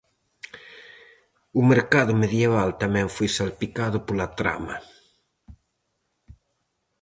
O mercado medieval tamén foi salpicado pola trama.